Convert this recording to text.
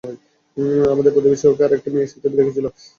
আমাদের প্রতিবেশী ওকে আরেকটা মেয়ের সাথে দেখেছিল।